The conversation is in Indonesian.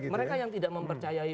mereka yang tidak mempercayai